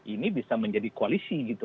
ini bisa menjadi koalisi gitu